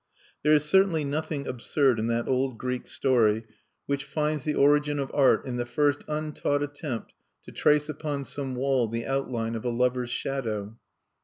There is certainly nothing absurd in that old Greek story which finds the origin of art in the first untaught attempt to trace upon some wall the outline of a lover's shadow.